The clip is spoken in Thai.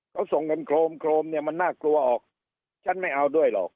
เขาส่งกันโครมโครมเนี่ยมันน่ากลัวออกฉันไม่เอาด้วยหรอก